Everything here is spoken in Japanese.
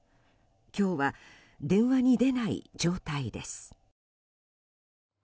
今日は、電話に出ない状態です。